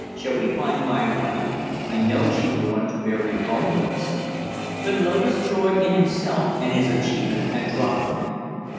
Shall we find my wife? I know she will want to bear you home with us." But Loder's joy in himself and his achievement had dropped from him.